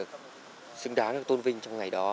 được xứng đáng được tôn vinh trong ngày đó